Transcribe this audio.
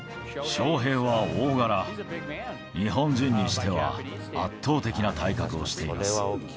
翔平は大柄、日本人にしては圧倒的な体格をしています。